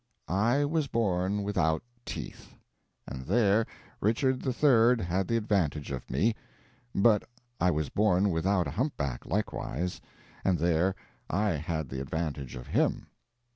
I was born without teeth and there Richard III had the advantage of me; but I was born without a humpback, likewise, and there I had the advantage of him.